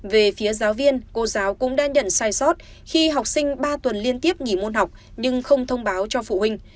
về phía giáo viên cô giáo cũng đã nhận sai sót khi học sinh ba tuần liên tiếp nghỉ môn học nhưng không thông báo cho phụ huynh